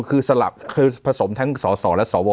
คือสลับคือผสมทั้งสสและสว